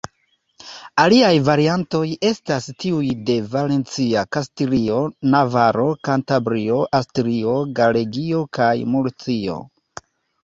Aliaj variantoj estas tiuj de Valencio, Kastilio, Navaro, Kantabrio, Asturio, Galegio kaj Murcio.